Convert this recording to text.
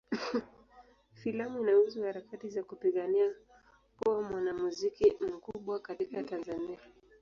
Filamu inahusu harakati za kupigania kuwa mwanamuziki mkubwa katika Tanzania.